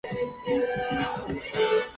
これがわからないことということ